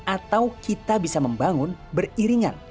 atau kita bisa membangun beriringan